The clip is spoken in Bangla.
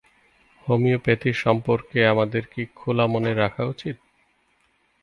হোমিওপ্যাথি সম্পর্কে আমাদের কি খোলা মনে রাখা উচিত?